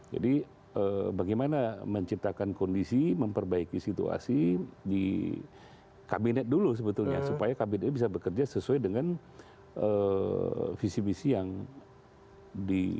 jadi bagaimana menciptakan kondisi memperbaiki situasi di kabinet dulu sebetulnya supaya kabinetnya bisa bekerja sesuai dengan visi visi yang di